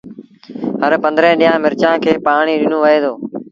هر پنڌرين ڏيݩهآ ن مرچآݩ کي پآڻي ڏنو وهي دو